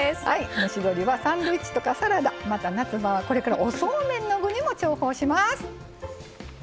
蒸し鶏はサンドイッチとかサラダまた夏場はこれからおそうめんの具にも重宝します。